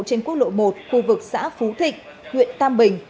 trên quốc lộ một khu vực xã phú thịnh huyện tam bình